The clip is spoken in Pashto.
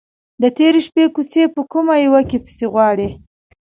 _د تېرې شپې کوچی به په کومه يوه کې پسې غواړې؟